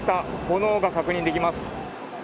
炎が確認できます。